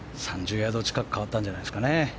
３０ヤード近く変わったんじゃないでしょうか。